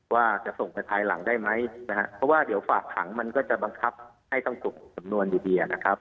ว่าจะส่งไปภายหลังได้ไหมนะฮะเพราะว่าเดี๋ยวฝากขังมันก็จะบังคับให้ต้องส่งสำนวนอยู่ดีนะครับ